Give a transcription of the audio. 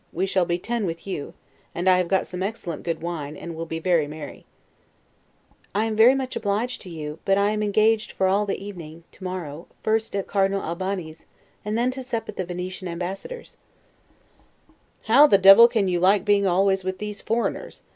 We shall be ten with you; and I have got some excellent good wine; and we'll be very merry. Stanhope. I am very much obliged to you, but I am engaged for all the evening, to morrow; first at Cardinal Albani's; and then to sup at the Venetian Ambassadress's. Englishman. How the devil can you like being always with these foreigners?